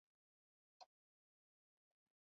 حرارتي انرژي د ذرّو د خوځښت له امله پيدا کېږي.